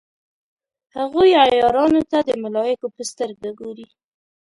هغوی عیارانو ته د ملایکو په سترګه ګوري.